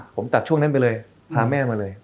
ผมตัดช่วงนั้นไปเลยพาแม่มาเลย